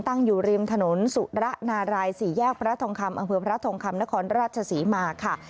ตั้งอยู่ริมถนนสุระนารายสี่แยกพระทองคำอำเภอพระทองคำนครราชศรีมาค่ะ